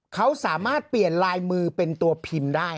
เขาสามารถเปลี่ยนลายมือเป็นตัวพิมพ์ได้